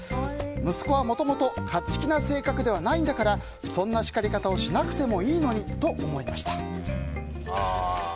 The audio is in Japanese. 息子は元々勝ち気な性格ではないんだからそんな叱り方をしなくてもいいのにと思いました。